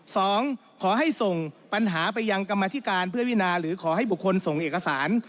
ขอให้ส่งปัญหาไปยังกรรมธิการเพื่อพินาหรือขอให้บุคคลส่งเอกสาร